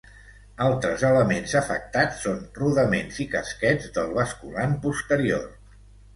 Altres elements afectats són rodaments i casquets del basculant posterior.